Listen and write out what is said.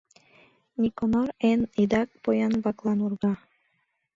Никонор эн идак поян-влаклан урга.